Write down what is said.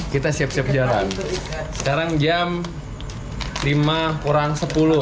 kita siap siap jalan sekarang jam lima kurang sepuluh